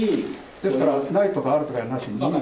ですからないとかあるとかやなしに。